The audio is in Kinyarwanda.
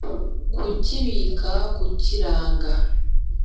kukibika kukiranga